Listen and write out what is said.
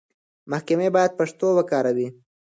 محکمې بايد پښتو وکاروي.